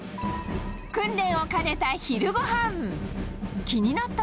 訓練を兼ねた昼ごはん。